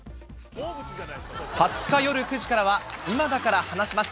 ２０日夜９時からは、今だから話します